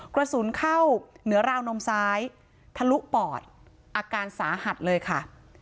กระสุนเข้าเหนือราวนมซ้ายทะลุปอดอาการสาหัสเลยค่ะ